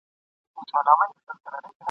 او پر خپله تنه وچ سې خپلو پښو ته به رژېږې !.